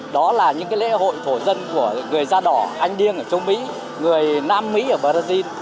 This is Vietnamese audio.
đó là những lễ hội thổ dân của người da đỏ anh điêng ở châu mỹ người nam mỹ ở brazil